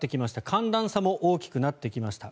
寒暖差も大きくなってきました。